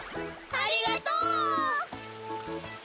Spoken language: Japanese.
ありがとう！